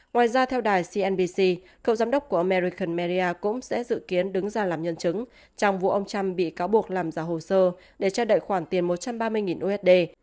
ngoài ra theo đài cnbc cậu giám đốc của american media cũng sẽ dự kiến đứng ra làm nhân chứng trong vụ ông trump bị cáo buộc làm giả hồ sơ để trao đợi khoản tiền một trăm ba mươi usd